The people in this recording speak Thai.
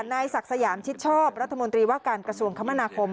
นายศักดิ์สยามชิดชอบรัฐมนตรีว่าการกระทรวงคมนาคม